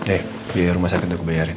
eh biaya rumah sakit udah gue bayarin